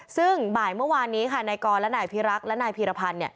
ซึ่งบ่ายเมื่อวานนี้ค่ะนายกรและนายพิรักษ์และนายพีรพันธ์